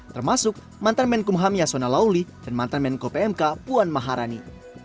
termasuk mantan menkumham yasona lauli dan mantan menko pmk puan maharani